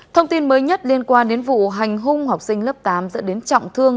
thông tin mới nhất liên quan đến vụ hành hung học sinh lớp tám dẫn đến trọng thương